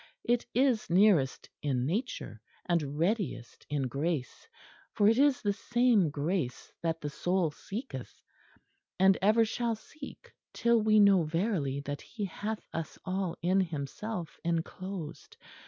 It is nearest in nature; and readiest in grace: for it is the same grace that the soul seeketh, and ever shall seek till we know verily that He hath us all in Himself enclosed.